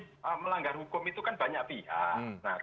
karena melanggar hukum itu kan banyak pihak